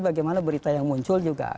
bagaimana berita yang muncul juga